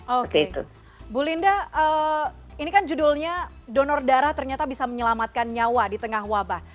oke bu linda ini kan judulnya donor darah ternyata bisa menyelamatkan nyawa di tengah wabah